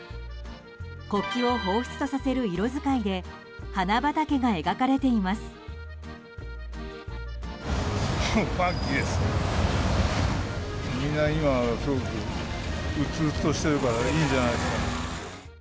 国旗をほうふつとさせる色遣いで花畑が描かれています。